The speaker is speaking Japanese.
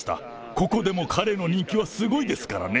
ここでも彼の人気はすごいですからね。